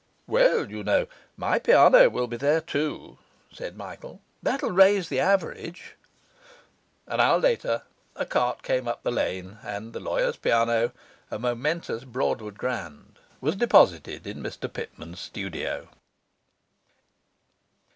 'Well, you know, my piano will be there too,' said Michael. 'That'll raise the average.' An hour later a cart came up the lane, and the lawyer's piano a momentous Broadwood grand was deposited in Mr Pitman's studio.